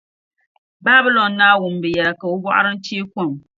Babilɔn naa wum bɛ yɛla, ka o bɔɣiri ni chee kom.